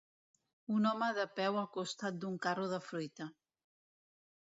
Un home de peu al costat d'un carro de fruita.